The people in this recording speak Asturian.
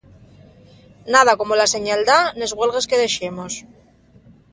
Nada como la señaldá nes güelgues que dexemos.